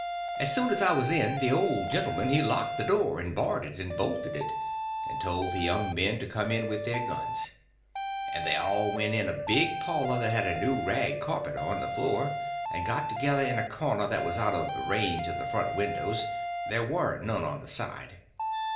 As soon as I was in the old gentleman he locked the door and barred it and bolted it, and told the young men to come in with their guns, and they all went in a big parlor that had a new rag carpet on the floor, and got together in a corner that was out of the range of the front windows—there warn't none on the side.